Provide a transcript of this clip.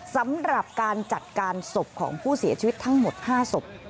สำหรับการจัดการศพของผู้เสียชีวิตทั้งหมด๕ศพ